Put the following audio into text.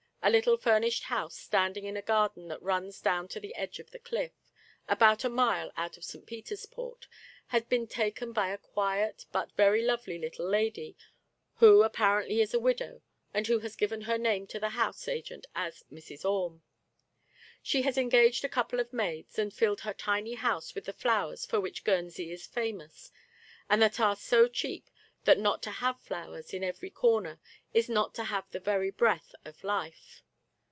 A little furnished house, standing in a garden that runs down to the edge of the cliff, about a mile out of St. Peter's Port, has been taken by a quiet but very lovely little lady, who apparently is a widow, and who has given her name to the house agent as "Mrs. Orme." She has engaged a couple of maids, and filled her tiny house with the flowers for which Guern sey is famous, and that are so cheap that not to have flowers in every corner is not to have the very breath of life.